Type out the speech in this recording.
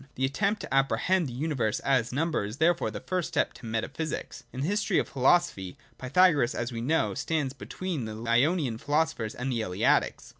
The attempt to apprehend the universe as number is therefore the first step to metaphj^sics. In the history of philosophy, Pythagoras, as we know, stands between the Ionian philosophers and the Eleatics.